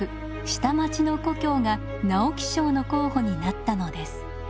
「下町の故郷」が直木賞の候補になったのです。